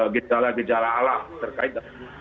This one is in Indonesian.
gejala gejala alam terkait